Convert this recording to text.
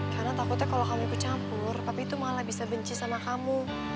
karena takutnya kalo kamu ikut campur papi itu malah bisa benci sama kamu